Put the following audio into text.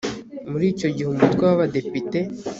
muri icyo gihe umutwe w abadepite